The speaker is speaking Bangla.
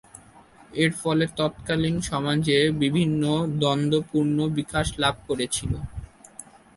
এর ফলে তৎকালীন সমাজে বিভিন্ন দ্বন্দ্ব পূর্ণ বিকাশ লাভ করেছিল।